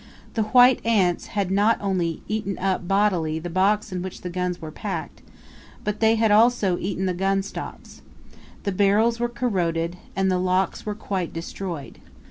The white ants had not only eaten up bodily the box in which the guns were packed, but they had also eaten the gunstocks. The barrels were corroded, and the locks were quite destroyed.